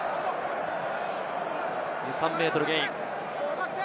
２３ｍゲイン。